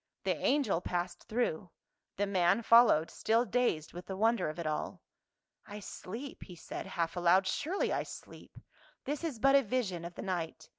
The angel passed through ; the man followed, still dazed with the wonder of it all. "I sleep," he said half aloud, "surely I sleep. This is but a vision of the night.